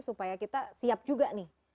supaya kita siap juga nih